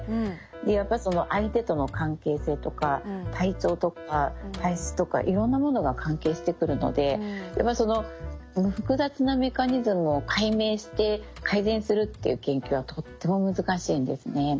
やっぱその相手との関係性とか体調とか体質とかいろんなものが関係してくるのでやっぱその複雑なメカニズムを解明して改善するっていう研究はとっても難しいんですね。